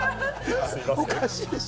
おかしいでしょ？